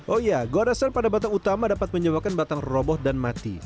oh iya goresan pada batang utama dapat menyebabkan batang roboh dan mati